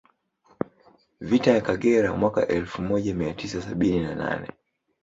Vita ya Kagera mwaka elfu moja mia tisa sabini na nane